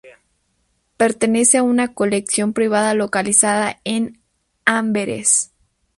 Pertenece a una colección privada localizada en Amberes.